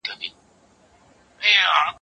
زه هره ورځ سیر کوم!؟